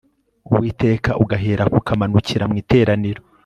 uwiteka ugaherako ukamanukira mu iteraniro